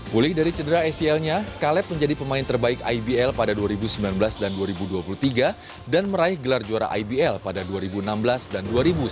pulih dari cedera acl nya kaleb menjadi pemain terbaik ibl pada dua ribu sembilan belas dan dua ribu dua puluh tiga dan meraih gelar juara ibl pada dua ribu enam belas dan dua ribu sembilan belas